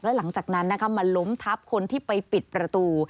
แล้วหลังจากนั้นมาล้มทับคนที่ไปปิดประตู